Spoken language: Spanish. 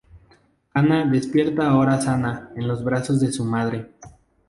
Hannah despierta, ahora sana, en los brazos de su madre.